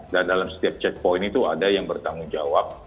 dan dalam setiap checkpoint itu ada yang bertanggung jawab